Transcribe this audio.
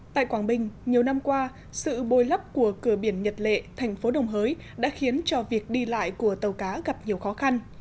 tại quảng bình nhiều năm qua sự bôi lấp của cửa biển nhật lệ thành phố đồng hới đã khiến cho việc đi lại của tàu cá gặp nhiều khó khăn